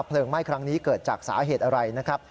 ไหม้ครั้งนี้เกิดจากสาเหตุอะไรนะครับ